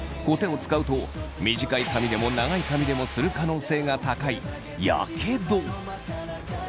コテを使うと短い髪でも長い髪でもする可能性が高いやけど。